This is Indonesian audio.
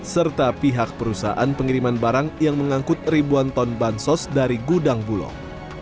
serta pihak perusahaan pengiriman barang yang mengangkut ribuan ton bansos dari gudang bulog